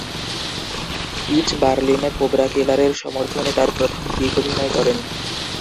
Pitch বার্লিনে Cobra কিলারের সমর্থনে তার প্রথম গিগ অভিনয় করেন।